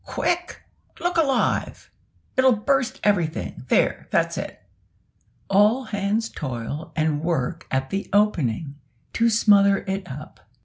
quick, look alive! it'll burst everything there, that's it!" All hands toil and work at the opening, to smother it up.